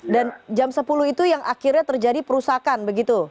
dan jam sepuluh itu yang akhirnya terjadi perusakan begitu